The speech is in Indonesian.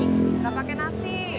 gak pake nasi